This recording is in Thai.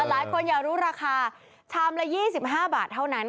หลายคนอยากรู้ราคาชามละ๒๕บาทเท่านั้น